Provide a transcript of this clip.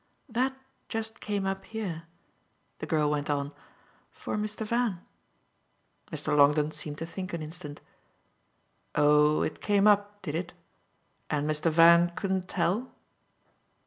That just came up here," the girl went on, "for Mr. Van." Mr. Longdon seemed to think an instant. "Oh it came up, did it? And Mr. Van couldn't tell?"